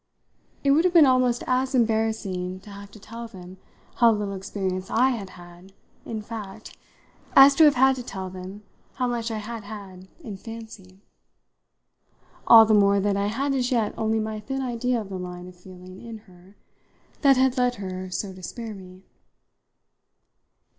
It would have been almost as embarrassing to have to tell them how little experience I had had in fact as to have had to tell them how much I had had in fancy all the more that I had as yet only my thin idea of the line of feeling in her that had led her so to spare me.